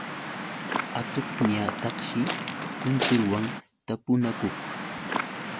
Atuqñataqshi kundurwan tapunakuq.